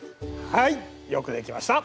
はいよくできました。